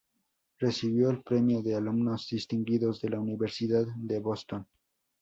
Recibió el Premio de Alumnos Distinguidos de la Universidad de Boston.